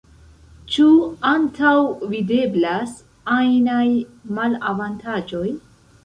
Ĉu antaŭvideblas ajnaj malavantaĝoj?